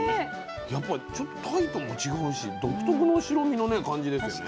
やっぱりちょっとタイとも違うし独特の白身の感じですよね。